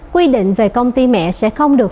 quy định về công ty mẹ sẽ không được